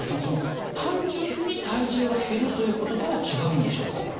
その単純に体重が減るということとは違うんでしょうか？